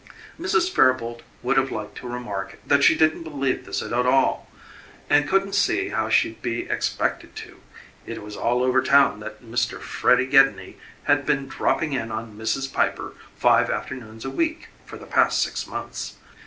Mrs. Fairboalt would have liked to remark that she didn't believe this at all and couldn't see how she'd be expected to it was all over town that Mr. Freddy Gedney had been dropping in on Mrs. Piper five afternoons a week for the past six months.